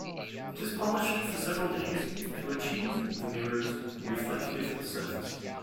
It is polished for several days to achieve the mirror's reflective surface.